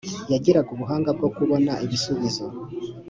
yagiraga ubuhanga bwo kubona ibisubizo